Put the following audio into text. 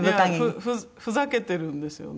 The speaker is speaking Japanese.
ふざけてるんですよね。